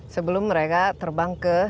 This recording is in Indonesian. sebelum mereka terbang ke